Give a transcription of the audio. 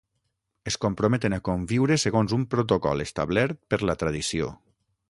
Es comprometen a conviure segons un protocol establert per la tradició.